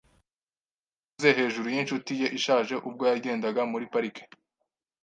Yanyuze hejuru yinshuti ye ishaje ubwo yagendaga muri parike .